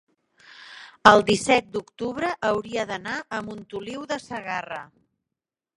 el disset d'octubre hauria d'anar a Montoliu de Segarra.